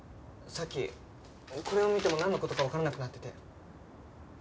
さっきこれを見てもなんの事かわからなくなってて。